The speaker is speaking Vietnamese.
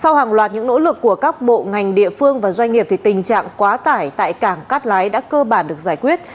sau hàng loạt những nỗ lực của các bộ ngành địa phương và doanh nghiệp tình trạng quá tải tại cảng cát lái đã cơ bản được giải quyết